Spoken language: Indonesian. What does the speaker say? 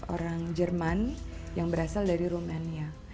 orang jerman yang berasal dari rumania